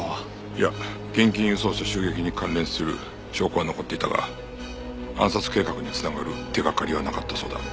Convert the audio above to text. いや現金輸送車襲撃に関連する証拠は残っていたが暗殺計画に繋がる手掛かりはなかったそうだ。